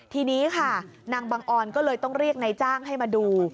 ทีนี้ค่ะนางบังออนก็เลยต้องเรียกนายจ้างให้มาดู